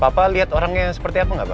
pak papa lihat orangnya seperti apa nggak pak